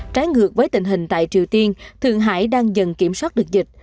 trái ngược với tình hình tại triều tiên thượng hải đang dần kiểm soát được dịch